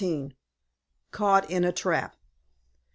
CAUGHT IN A TRAP.